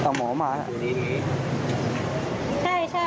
ได้ะะะะ